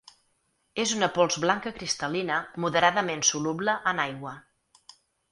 És una pols blanca cristal·lina moderadament soluble en aigua.